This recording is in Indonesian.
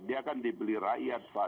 dia kan dibeli rakyat pak